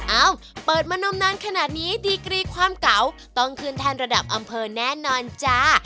เอ้าเปิดมานมนานขนาดนี้ดีกรีความเก่าต้องขึ้นแทนระดับอำเภอแน่นอนจ้า